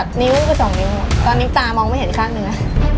แต่นิ้วกับสองนิ้วเหงาตอนนี้ป่ามองไม่เห็นข้างเนื้อ